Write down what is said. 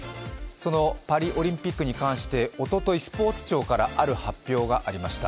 そのパリオリンピックに関して、おととい、スポーツ庁からある発表がありました